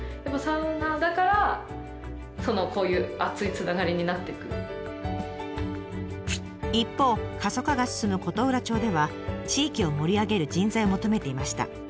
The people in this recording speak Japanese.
携わりやすさで言ったら一方過疎化が進む琴浦町では地域を盛り上げる人材を求めていました。